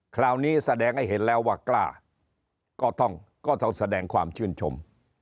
คราวนี้แสดงให้เห็นแล้วว่ากล้าก็ต้องแสดงความชื่นชม